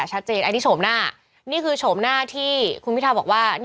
ฉะเจนไทยก็แทนชมหน้านี่คือห้าพักการเงินที่จะมาร่วมตั้งรัฐบาลกับเรา๓๑๐เสียง